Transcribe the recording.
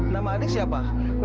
nama adik siapa